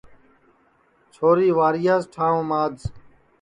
چھوری وارِیاس ٹھانٚو ماج